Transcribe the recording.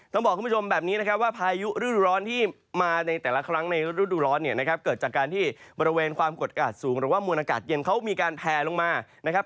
ต้องบอกคุณผู้ชมแบบนี้นะครับว่าพายุฤดูร้อนที่มาในแต่ละครั้งในฤดูร้อนเนี่ยนะครับเกิดจากการที่บริเวณความกดอากาศสูงหรือว่ามวลอากาศเย็นเขามีการแพลลงมานะครับ